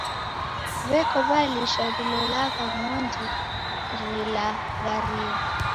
W'eko w'alisha w'ilolagha ng'ondi rilagharie.